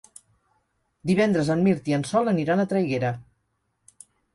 Divendres en Mirt i en Sol aniran a Traiguera.